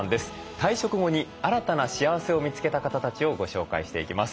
退職後に新たな幸せを見つけた方たちをご紹介していきます。